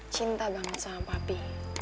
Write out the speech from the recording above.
cinta banget sama papi